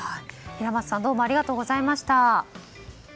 平松さんどうもありがとうございました。